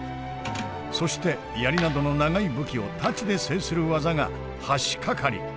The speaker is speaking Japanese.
そして槍などの長い武器を太刀で制する技が「橋かかり」。